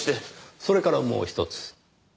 それからもう１つ。